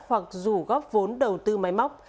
hoặc rủ góp vốn đầu tư máy móc